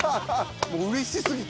もううれしすぎて。